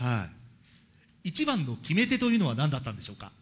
一番の決め手というのはなんだったんでしょうか。